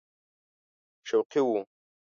شوقي وو.